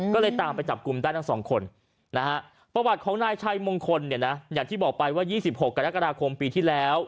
ก็เลยตามไปจับกลุ่มได้ทั้งสองคนนะฮะประวัติของนายชัยมงคลเนี่ยนะอย่างที่บอกไปว่า๒๖กรกฎาคมปีที่แล้ว